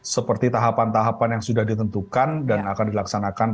seperti tahapan tahapan yang sudah ditentukan dan akan dilaksanakan